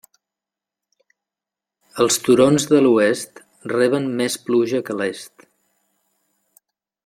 Els turons de l'oest reben més pluja que l'est.